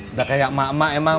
udah kayak emak emak emang